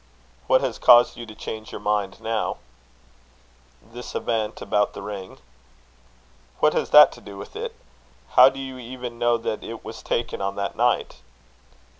"What has caused you to change your mind now?" "This event about the ring." "What has that to do with it? How do you even know that it was taken on that night?"